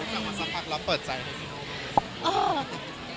คุณถามว่าสักพักแล้วเปิดใจอะไรบ้าง